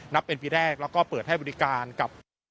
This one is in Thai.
นับเป็นปีแรกแล้วก็เปิดให้บริการกับ